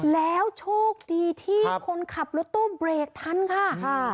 แล้วโชคดีที่คนขับรถตู้เบรกทันค่ะ